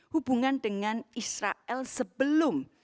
hubungan dengan israel sebelum